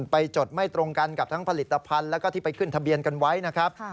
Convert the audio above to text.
จดไม่ตรงกันกับทั้งผลิตภัณฑ์แล้วก็ที่ไปขึ้นทะเบียนกันไว้นะครับ